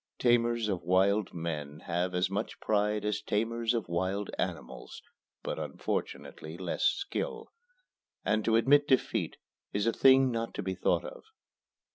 Tamers of wild men have as much pride as tamers of wild animals (but unfortunately less skill) and to admit defeat is a thing not to be thought of.